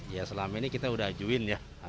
ya selama ini kita udah ajuin ya